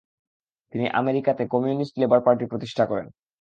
তিনি আমেরিকাতে ‘communist labour পার্টি’র প্রতিষ্ঠা করেন।